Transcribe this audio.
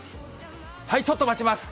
はい、ちょっと待ちます。